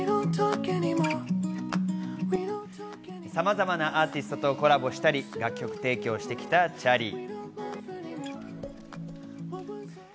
さまざまなアーティストとコラボしたり、楽曲提供してきたチャーリー。